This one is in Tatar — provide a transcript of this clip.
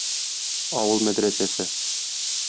Авыл мәдрәсәсе